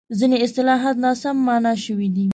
ځینې اصطلاحات ناسم مانا شوي دي.